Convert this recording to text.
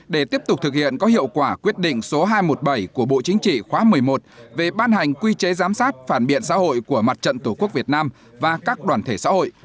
để tiếp tục thực hiện có hiệu quả quyết định số hai trăm một mươi bảy của bộ chính trị khóa một mươi một về ban hành quy chế giám sát phản biện xã hội của mặt trận tổ quốc việt nam và các đoàn thể xã hội